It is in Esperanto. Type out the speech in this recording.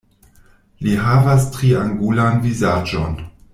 Li havas triangulan vizaĝon.